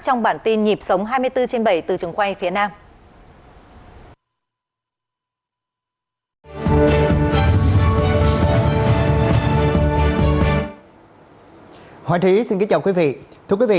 trong bản tin nhịp sống hai mươi bốn trên bảy từ trường quay phía nam